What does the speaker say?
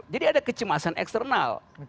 jadi ada kecemasan eksternal